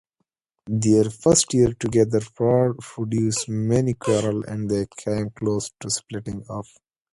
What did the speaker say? Their first year together produced many quarrels and they came close to splitting up.